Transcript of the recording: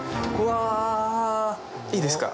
いいですか？